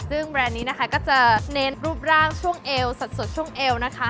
ซึ่งแบรนด์นี้นะคะก็จะเน้นรูปร่างช่วงเอวสดช่วงเอวนะคะ